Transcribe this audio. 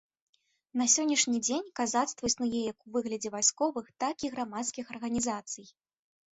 На сённяшні дзень казацтва існуе як у выглядзе вайсковых, так і грамадскіх арганізацый.